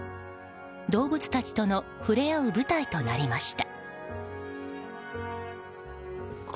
動物たちとの触れ合う舞台となりました。